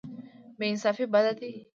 بې انصافي بد دی.